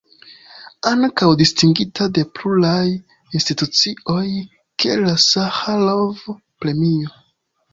Ankaŭ distingita de pluraj institucioj kiel la Saĥarov-Premio.